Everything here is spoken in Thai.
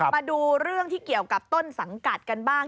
มาดูเรื่องที่เกี่ยวกับต้นสังกัดกันบ้าง